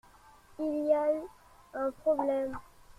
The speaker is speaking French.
Il y a eu un problème ?